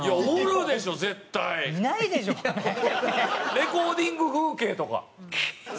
レコーディング風景とか。